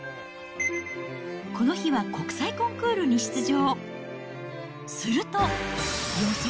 この日は国際コンクールに出場。